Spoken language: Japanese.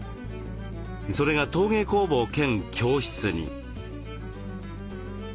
それが陶芸工房兼教室に。